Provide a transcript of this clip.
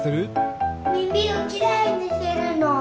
みみをきれいにするの。